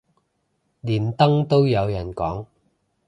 連登都有人講